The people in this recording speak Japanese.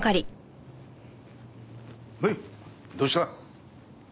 おいどうした？